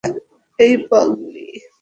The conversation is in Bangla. এই, পাগলি।